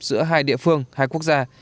giữa hai địa phương hai quốc gia